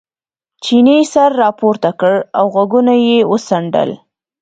چیني سر را پورته کړ او غوږونه یې وڅنډل.